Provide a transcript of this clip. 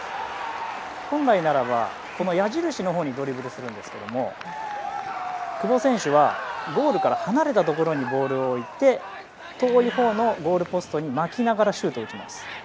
本来ならばこの矢印のほうにドリブルするんですが久保選手はゴールから離れたところにボールを置いて遠いほうのゴールポストのほうに巻きながらシュートを打ちます。